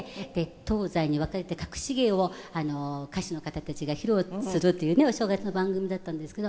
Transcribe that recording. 東西に分かれてかくし芸を歌手の方たちが披露するというねお正月の番組だったんですけど。